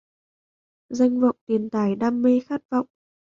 Danh vọng tiền tài đam mê khát vọng